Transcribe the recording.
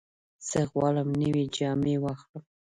زه غواړم نوې جامې واخلم.